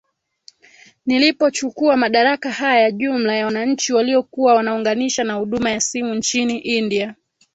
nilipochukua madaraka haya jumla ya wananchi waliokuwa wanaunganisha na huduma ya simu nchini india